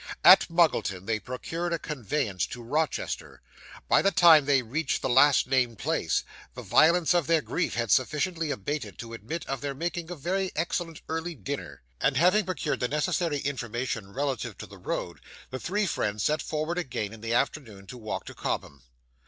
At Muggleton they procured a conveyance to Rochester. By the time they reached the last named place, the violence of their grief had sufficiently abated to admit of their making a very excellent early dinner; and having procured the necessary information relative to the road, the three friends set forward again in the afternoon to walk to Cobham.